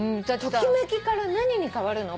ときめきから何に変わるの？